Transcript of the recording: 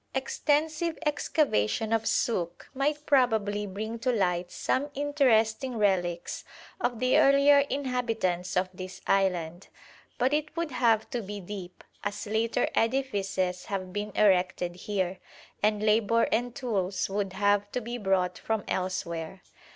Extensive excavation at Suk might probably bring to light some interesting relics of the earlier inhabitants of this island, but it would have to be deep, as later edifices have been erected here; and labour and tools would have to be brought from elsewhere.